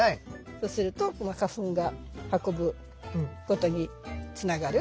そうするとこの花粉が運ぶことにつながる。